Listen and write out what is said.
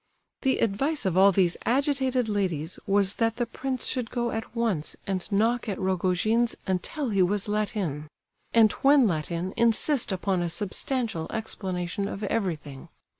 The advice of all these agitated ladies was that the prince should go at once and knock at Rogojin's until he was let in: and when let in insist upon a substantial explanation of everything.